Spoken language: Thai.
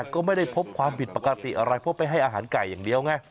ก็ไม่ได้พบความผิดปกติอะไรเพราะไปให้อาหารไก่อย่างเดียวไง